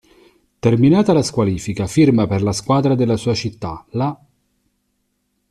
Terminata la squalifica firma per la squadra della sua città, l'.